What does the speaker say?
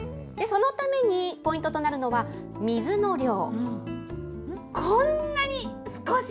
そのために、ポイントとなるのは、水の量。